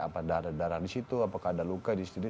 apa ada darah di situ apakah ada luka di situ